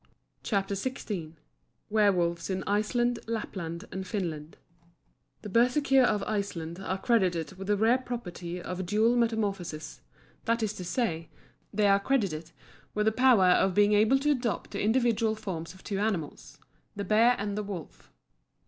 CHAPTER XVI WERWOLVES IN ICELAND, LAPLAND, AND FINLAND The Bersekir of Iceland are credited with the rare property of dual metamorphosis that is to say, they are credited with the power of being able to adopt the individual forms of two animals the bear and the wolf.